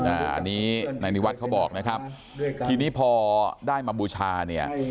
อันนี้นายนิวัฒน์เขาบอกนะครับทีนี้พอได้มาบูชาเนี่ย